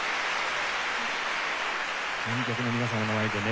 観客の皆様の前でね